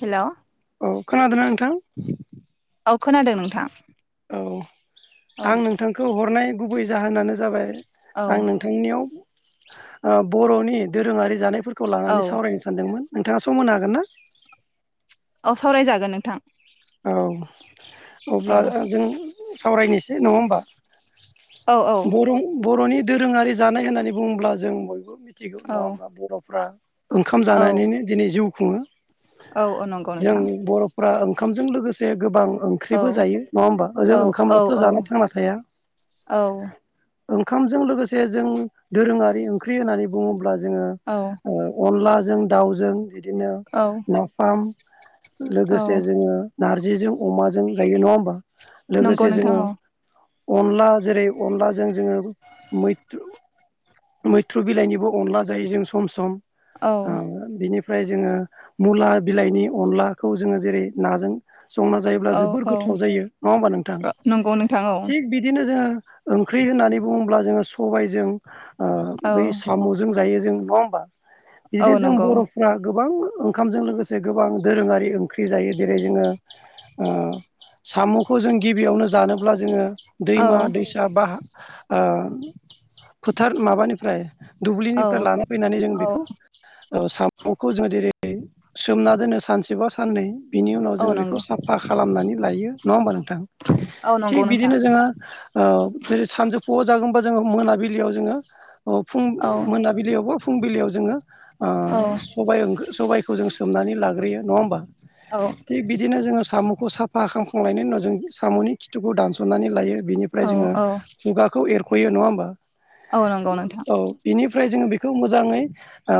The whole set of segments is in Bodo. हेलौ औ खोनादों ना नोंथां औ खोनादों नोंथां औ औ आं नोंथांखौ हरनाय गुबै जाहोनानो जाबाय औ आं नोंथांनियाव बर'नि दोरोंङारि जानायफोरखौ औ लानानै सावरायनो सानदोंमोन नोंथांङा सम होनो हागोन ना औ सावरायजागोन नोंथां औ औ अब्ला जों सावरायनोसै नंङा होमबा? औ औ बर' बर'नि दोरोंङारि जानाय होननानै बुङोब्ला जों बयबो मिथिगौ औ नंङा होमबा बर'फ्रा ओंखाम औ जानानैनो दिनै जिउ खुंङो औ नंगौ जों नोंथां बर'फोरा ओंखामजों लोगोसे गोबां औ ओंख्रिबो जायो नंङा होमबा ओजों औ औ ओंखामल'थ' जाना थांना थाया। औ ओंखामजों लोगोसे जों दोरोंङारि ओंख्रि होननानै बुंङो अब्ला जोंङो औ अनलाजों दाउजों बिदिनो औ नाफाम औ लोगोसे जोङो नारजिजों अमाजों जायो नंङा होनबा नंगौ लोगोसे नोंथां जों औ अनला जेरै अनलाजों जोंङो मैथ्रु मैथ्रु बिलाइनिबो अनला जायो जों सम सम। बिनिफ्राय जोंङो मुला बिलाइनि अनलाखौ जोंङो जेरै नाजों संना जायोब्ला औ जोबोर औ गोथाव जायो नङा होमबा नोंथां? औ नंगौ नोंथां थिग औ बिदिनो जोंङो ओंख्रि होननानै बुंङोब जोंङो सबायजों औ बै साम'जों जायो जों नंङा होमबा औ बिदिनो जों नंगौ बर'फ्रा गोबां ओंखामजों लोगोसे गोबां दोरोङारि ओंख्रि जायो। जेरै जोंङो साम'खौ जों गिबियावनो जानोब्ला जोंङो औ दैमा दैसा बा हा फोथार माबानिफ्राय औ दुब्लिनिफ्राय लाना फैनानै जों औ बेखौ साम'खौ जोंङो जेरै सोमना दोनो सानसेबा साननै बिनि उनाव औ जोङो बेखौ नंगौ साफा खालामनानै लायो नङा होनबा नोंथां? औ थिग नंगौ नोंथां बिदिनो जोङो ओ जेरै सानजौफु जागोनबा जोंङो मोनाबिलियाव जोङो फुं औ मोनाबिलियाव बा फुंबिलियाव जोंङो ओ औ सबायाइखौ जों सोमनानै लाग्रोयो नंङा होमबा? औ थिग बिदिनो जोङो साम'खौ साफा खामखांनायनि उनाव जों साम'नि खिथुखौ दानस'नानै लायो। बिनिफ्राय औ जोङो खुगाखौ एरख'यो नङा होमबा औ नंगौ नोंथां औ बिनिफ्राय जोङो खौ मोजाङै ओ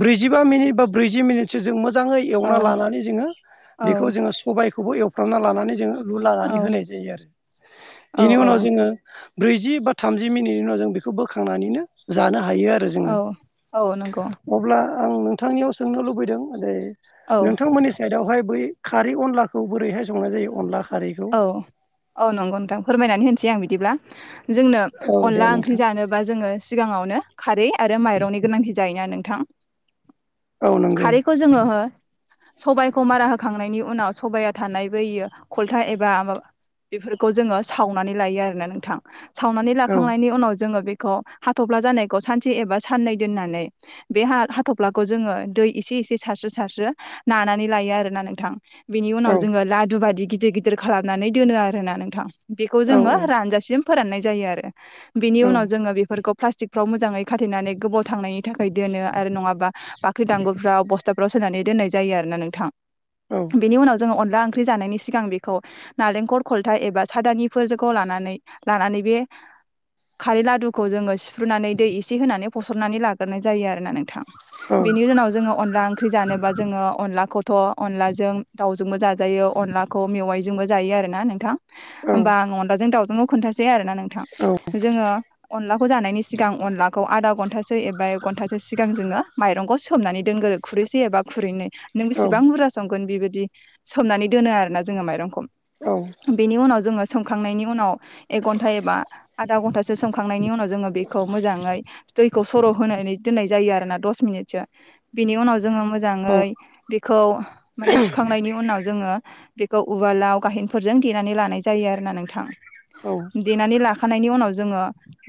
ब्रैजिबा मिनिट बा ब्रैजि मिनिटसो जों मोजाङै औ एवना लानानै जोङो औ बेखौ जोङो सबायखौबो एवफ्रामना लानानै जोङो औ लुलानानै होनाय जायो आरो बेनि उनाव औ जोङो ब्रैजि बा थामजि मिनिटनि उनाव जों बेखौ बोखांनानैनो जानो हा हायो आरो जोङो औ औ नंगौ अब्ला आं नोंथांनियाव सोंनो लुबैदों जे औ नोंथांमोननि साइडआवहाय बै खारै अनलाखौ बोरैहाय संनाय जायो? अनला खारैखौ औ औ नंगौ नोंथां फोरमायनानै होनिसै आं बिदिब्ला जोंनो औ दे अनला ओंख्रि नोंथां जानोबा जोङो सिगाङावनो खारै आरो माइरंनि गोनांथि जायोना नों औ नंगौ खारैखौ जोङो हो स'बाइखौ मारा होखांनायनि उनाव स'बाया थानाय बैयो फलथा एबा मा बेफोरखौ जोङो सावनानै लायो आरोना नोंथां। सावनानै औ लाखांनायनि उनाव जोङो बे हाथ'फ्ला जानायखौ सानसे एबा साननै दोननानै बे हा हाथ'फ्लाखौ जोङो दै इसे एसे सारस्रो सारस्रो नानानै लायो आरोना नोंथां। बेनि औ उनाव जोङो लादु बादि गिदिर गिदिर खालामनानै दोनो आरोना नोंथां। बेखौ औ जोङो रानजासिम फोराननाय जायो आरो बिनि उनाव जोङो बेफोरखौ प्लास्टिकफ्राव मोजाङै खाथेनानै गोबाव थांनायनि थाखाय दोनो आरो नङाबा बाख्रि दांगलफ्राव बस्था रस होनानै दोननाय जायो आरोना नोंथां औ बेनि उनाव जोङो अनला ओंख्रि जानायनि सिगां बे खौ नालेंखर खलथा एबा सादानिफोरखौ लानानै लानानै बे खारै लादुखौ जोङो सिफ्रुनानै दै इसे होनानै फस'रनानै लाग्रोनाय जायो आरोना नोंथां। औ बेनि उनाव जोङो अनला ओंख्रि जानोबा जोङो अनलाखौथ' अनलाजों दाउजोंबो जाजायो अनलाखौ मेवाइजोंबो जायो आरोना नोंथां औ होमबा आं अनलाजों दावउजोंखौ खोन्थासै आरो ना नोंथां जोङो अनलाखौ जानायनि सिगां अनलाखौ आदा घनटा सो एबा एक घन्टासो सिगां जोङो माइरखौ सोमनानै दोनग्रो खुरैसे एबा खुरैनै नों बिसिबां बुरजा संगोन बिबायदि सोमनानै दोनो आरोना जोङो माइरंखौ औ बेनि उनाव जोङो सोमखांनायनि उनाव एक घन्टा एबा आधा घन्टासो सोमखांनायनि उनाव जोङो बेखौ मोजाङै दैखौ सर' होनानै दोननाय जायो आरोना दस मिनिटसो बिनि उनाव जोङो मोजाङै बेखौ माने सुखांनायनि उनाव जोङो बेखौ उवालाव गाहेनफोरजों देनानै लानाय जायो आरोना नोंथां औ देनानै ला खानायनि उनाव जोङो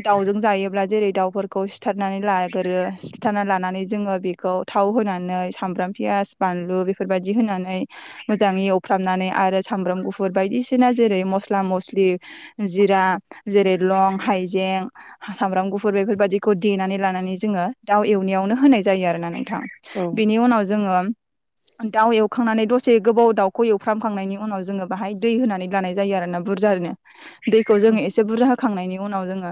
दाउजों जायोब्ला जेरै दाउफोरखौ सिथारनानै लागोरो सिथारनानै लानानै जोङो बिखौ थाव होनानै सामब्राम, पियास, बानलु बेफोरबायदि होनानै मोजां एव फ्रामनानै आरो सामब्राम गुफुर बायदिसिना जेरै मस्ला मस्लि जिरा जेरै लं, हाइजें, सामब्रां गुफुर बेफोरबायदिखौ देनानै लानानै जोङो दाउ एवनायावनो होनाय जायो आरोना नोंथां औ बिनि उनाव जोङो दाउ एवखांनानै दसे गोबाव दाव खौ एवफ्रामखांनायनि उनाव जोङो बाहाय दै होनानै लानाय जायो आरोना बुरजानो दैखौ जोङो एसे बुरजा खांनायनि उनाव जोङो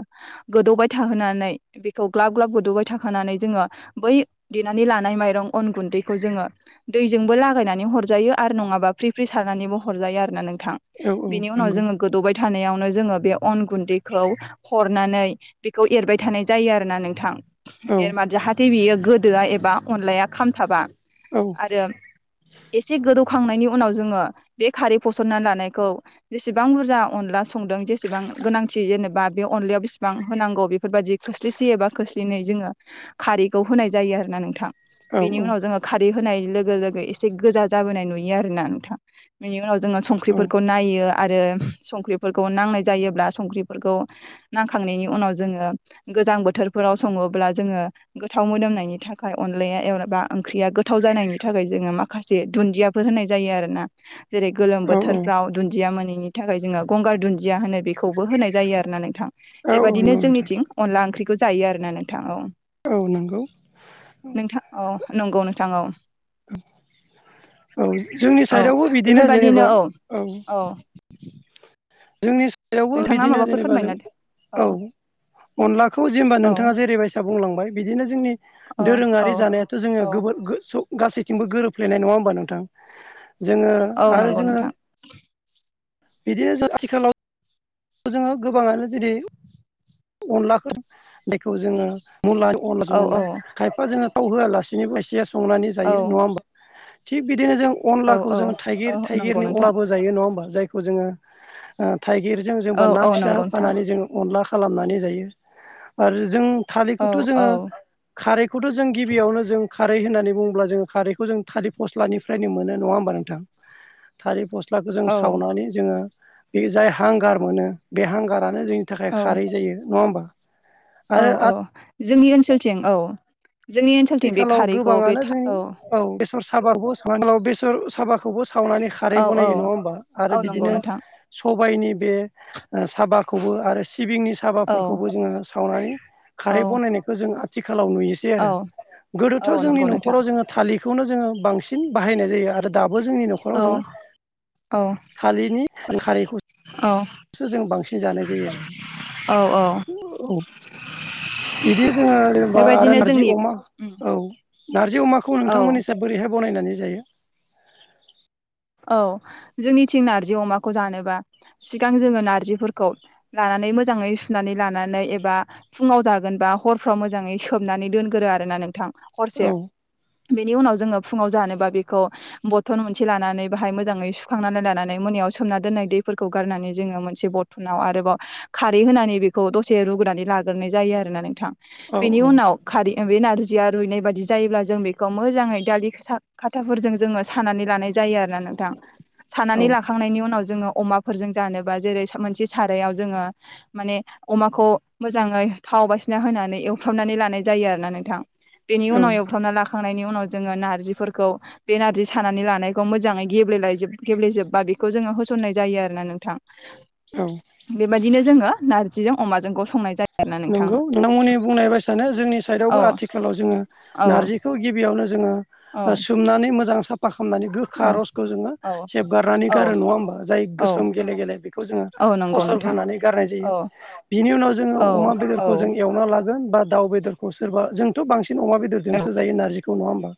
गोदौबाय थाहोनानै बेखौ ग्लाब ग्लाब गोदौबाय थाखानानै जोङो बै देनानै लानाय माइरं अन गुन्दैखौ जोङो दैजोंबो लागायनानै हरजायो आरो नङाबा फ्रि फ्रि सारनानैबो हरजायो आरोना नोंथां औ बेनि उनाव नंगौ जोङो गोदौबाय थानायावनो जोङो बे अन गुन्दैखौ हरनानै बेखौ एरबाय थानाय जायो आरोना नोंथां औ एरमार जाहाथे बियो गोदोआ एबा अनलाया खामथाबा औ आरो एसे गोदौखांनायनि उनाव जोङो बे खारै फसरना लानायखौ जेसेबां बुरजा अनला संदों जेसेबां गोनांथि जेनेबा बे अनलायाव बिसेबां होनांगौ बेफोरबादि खोस्लिसे एबा खस्लिनै जोङो खारैखौ होनाय जायो आरोना नोंथां औ बेनि उनाव जोङो खारै होनाय लोगो लोगो इसे गोजा जाबोनाय नुयो आ आरोना नोंथां बेनि उनाव जोङो औ संख्रिफोरखौ नायो आरो संख्रिफोरखौ नांनाय जायोब्ला संख्रिफोरखौ नांखांनायनि उनाव जोङो गोजां बोथोर बोथोरफोराव सङोब्ला जोङो गोथाव मोदोमनायनि थाखाय अनलाया एबा ओंख्रिया गोथाव जानायनि थाखाय जोङो माखासे दुन्दियाफोर होनाय जायो आरोना जेरै गोलोम औ बोथोरफ्राव दुन्दिया मोनैनि थाखाय जोङो गंगार दुन्दिया होनो बेखौ बो होनाय जायो आरो ना नोंथां औ बेबाददिनो नंगौ नोंथां जोंनिथिं अनला ओंख्रिखौ जायो आरो ना नोंथां औ औ नंगौ नोंथां औ नंगौ नोंथां औ औ जोंनि औ साइडआवबो बिदिनो बेफोरबादिनो जेनेबा औ जोंनि सायदावबो नोंथाङा बिदिनो माबाफोर जेनेबा जों फोरमायना औ अनलाखौ जेनेबा औ नोंथाङा जेरैबायसा बुंलांबाय बिदिनो जोंनि औ औ दोरोङारि जानायाथ जोङो औ गोबां फोर गोसौ गासैथिंबो गोरोबफ्लेयनाय नङा होमबा नोंथां जोङो औ आरो नंगौ जोङो नोंथां बिदिनो जों आथिखालाव जोङो गोबाङानो जुदि अनलाखौ बेखौ जोङो मुला अनला औ औ सङोबा खायफा जोङो थाव होआलासिनोबो एसे संनानै औ जायो नङा होमबा? थिग बिदिनो जों औ अनलाखौ औ जों औ थाइगिर नंगौ थाइगिरनि नोंथां अनलाबो जायो नङा होमबा? जायखौ जोङो थाइगिरजों जोंबा औ ना औ फिसा नंगौ नोंथां होफानानै जोङो अनला खालामनानै जायो आरो जों औ थालिरखौथ' औ जोङो खारैखौथ' जों गिबियावनो जों खारै होननानै बुङोब्ला जोङो खारैखौ जों थालिर फस्लानिफ्रायनो मोनो नङा होमबा नोंथां थालिर फस्ला सिथ्लाखौ जों औ सावनानै जोङो बे जाय हांगार मोनो बे हांगारानो जोंनि थाखाय औ खारै जायो नङा होमबा औ आरो औ जोंनि ओनसोलथिं औ जोंनि ओनसोलथिंनि बे आथिखालाव खारैखौ बे औ साबाखौ स बेसर साबाखौबो सावनानै खारै औ औ बनायो नङा होमबा आरो औ नंगौ बिदिनो नोंथां सबाइनि बे साबाखौबो आरो सिबिंनि औ साबाफोरखौबो जोङो सावनानै औ खारै बानायनायखौ जोङो आथिखालाव नुयोनोसै औ आरो गोदोथ' औ जोंनि नंगौ नोंथां न'राव जोङो थालिर बेखौनो जोङो बांसिन बाहायनाय जायो आरो दा बो जोंनि न'खराव औ जोङो औ थालिरनि जों खारैखौ औ सो जों बांसिन जानाय जायो औ औ आरो। औ बिदि जोङो जेनेबा आरो बेबायदिनो नारजि जोंनि अमा उम औ नार्जि अमाखौ औ नोंथांमोननि साय बोरैहाय बानायनानै जायो? औ जोंनिथिं नारजि अमाखौ जानोबा सिगां जोङो नारजिफोरखौ लानानै मोजाङै सुनानै लानानै एबा फुङाव जागोनबा हरफ्राव मोजाङै सोबनानै दोनगोरो आरोना नोंथां। औ हरसे बेनि उनाव जोङो फुङाव जानोबा बेखौ बथल मोनसे लानानै बाहाय मोजाङै सुखांनानै लानानै मोनायाव सोमना दोननाय दैफोरखौ गारनानै जोङो मोनसे बरथनाव आरोबाव खारै होनानै बेखौ दसे रुगोनानै लाग्रोनाय जायो आरोना नोंथां औ बेनि औ उनाव खारै बे नारजि जिया रुइनाय बाददि जायोब्ला जों बेखौ मोजाङै दालि खाथाफोरजों जोङो सानानै लानाय जायो आरो। नोंथां औ सानानै लाखांनायनि उनाव जोङो अमाफोरजों जानोबा जेरै मोनसे सारायावजोङो माने अमाखौ मोजाङै थाव बायसिना होनानै एवफ्रामनानै लानाय जायो आरो ना नोंथां बेनि औ उनाव एवफ्रामना लाखांनायनि उनाव जोङो नारजिफोरखौ बे नारजि सानानै लानायखौ मोजां ङै गेब्ले गेब्लेजोबबा बेखौ जोङो होसननाय जायो आरोना नोंथां। औ बेबायदिनो जोङो नारजिजों अमाजों खौ संनाय जायो। आरोना नोंथां नंगौ नोंथांमोननि बुंनाय बायसानो जोंनि साइडआवबो औ आथिखालाव जोङो औ नारजिखौ गिबियावनो जों औ सोमनानै मोजां सा फा खामनानै गोखा औ रसखौ जोङो औ सेबगारनानै औ गारो नङा होमबा? जाय औ गोसोम गेले गेले बेखौ जोङो औ नंगौ नोंथां फसरग्रोनानै गारनाय जायो औ बिनि उनाव जोङो औ अमा औ बेदरखौ जों एवना लागोन बा दाउ बेदरखौ सोरबा जोंथ' बांसिन बांसिन अमा बेदरजोंसो जायो नारजिखौ नङा होमबा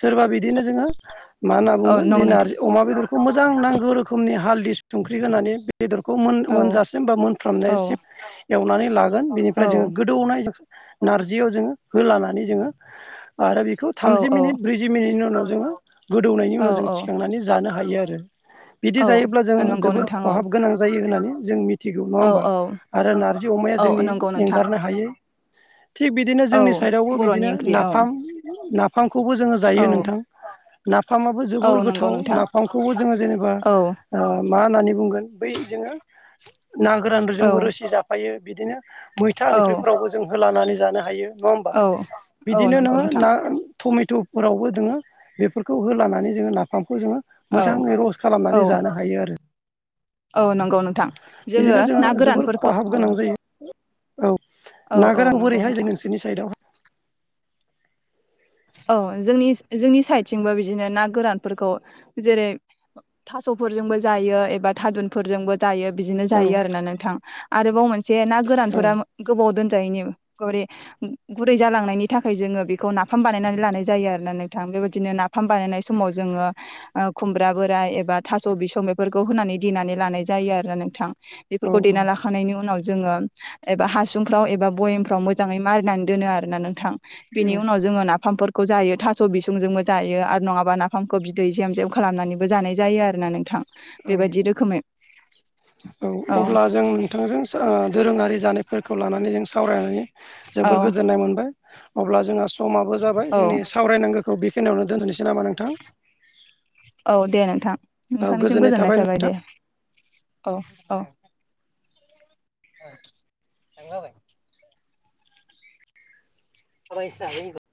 सोरबा बिदिनो जोङो मा होनना औ बुंगोन बे नंगौ नोंथां नारजि अमा बेदरखौ मोजां नांगौ रोखोमनि हालदै संख्रि होनानै बेदरखौ औ मोनजासिम बा औ मोनफ्रामनायसिम एवनानै लागोन बेनिफ्राय जोङो औ गोदौनाय नारजियाव जोङो होलानानै जोङो आरो बेखौ औ थामजि मिनिट औ ब्रैजि मिनिटनि उनाव जोङो गोदौनायनि उनाव जों औ थिखांनानै जानो हायो आरो। बिदि औ जायोब्ला जों नंगौ जोबोर नोंथां औ खहाब गोनां जायो होननानै जों मि थिगौ नङा होमबा? औ आरो नारजि अमाया औ जोंनि नंगौ नोंथां एंगारनो हायै। थिग बिदिनो औ जोंनि साइडावबो बर'नि बिदिनो ओंख्रि औ नाफाम नाफामखौबो जोङो औ जायो नोंथां। नाफामाबबो औ जोबोर नंगौ गोथाव नोंथां नाफामखौबो जोङो जेनेबा औ ओ मा होननानै बुंगोन बै जोङो ना औ गोरानजोंबो रोसि जाफायो बिदिनो मैथा औ ओंख्रिफोरावबो जों होलानानै जानो हायो। नङा होमबा औ औ बिदिनो नंगौ नोङो नोंथां ना थमे टुबफोरावबो दोङो बेफोरखौ होलानानै जोङो नाफाम खौ जोङो औ मोजाङै रस औ खालामनानै जानो हायो आरो। औ नंगौ नोंथां जोङो बिदिनो ना जोबोर गोरानफोरखौ खहाब औ गोनां जायो औ औ ना औ गोरान नंगौ बोरैहाय नोंथां जों नोंसोरनि साइदआव औ जोंनि जोंनि साइडथिंबो बिदिनो ना गोरानफोरखौ जेरै थास'फोरजोंबो जायो एबा थादुनफोरजोंबो जायो बिदिनो औ जायो आरोना नोंथां आरोबाव मोनसे ना औ गोरानफोरा गोबाव दोन जायैनि गुरै जालांनायनि थाखाय जोङो बेखौ ना नाफाम बानायनानै लानाय जायो आरोना नोंथां बेबायदिनो नाफाम बानायनाय समाव जोङो खुमब्रा बोराय एबा बा थास' बिसं बेफोरखौ होनानै देना लानाय जायो आरोना नोंथां बे औ लानायनि उनाव जोङो एबा हासुंफ्राव एबा बयामफ्राव मोजाङै मारिनानै दोनो आरोना नोंथां। बेनि औ उनाव जोङो नाफामफोरखौ जायो थास' बिसंजोंबो जायो आरो नङाबा नाफामखौ बिदै जेब जेब खालामनानैबो जानाय जायो आरो। आरोना नोंथां औ बेबायदि रोखोमै औ अब्ला जों नोंथांजों दोरोङारि जानायफोरखौ लानानै जों सावरायनानै औ जोबोर गोजोननाय मोनबाय अब्ला जोंहा समाबो जाबाय औ जोंनि सावरायनांगौ खौ बेखिनियावनो दोनथनोसै नामा नोंथां? औ दे नोंथां नोंथांनिसिम गोजोननाय थाबाय दे औ औ ओ थांगाबाय थाबायस्रानि आं र'